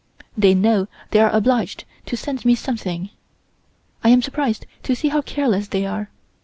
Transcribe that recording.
They know they are obliged to send me something. I am surprised to see how careless they are.